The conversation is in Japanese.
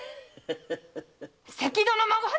・関戸の孫八！